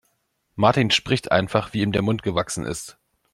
Martin spricht einfach, wie ihm der Mund gewachsen ist.